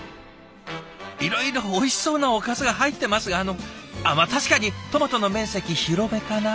いろいろおいしそうなおかずが入ってますがあのまあ確かにトマトの面積広めかな？